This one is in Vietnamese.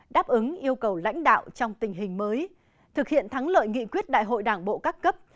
đáp ứng yêu cầu lãnh đạo trong tình hình mới thực hiện thắng lợi nghị quyết đại hội đảng bộ các cấp